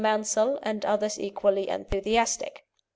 Mansel, and others equally enthusiastic.